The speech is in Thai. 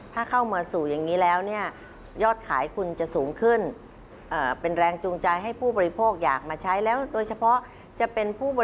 ถ้าเข้ามาสู่อย่างนี้แล้วยอดขายคุณจะสูงขึ้น